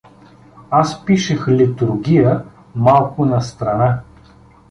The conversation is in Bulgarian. Аз пишех литургия малко настрана.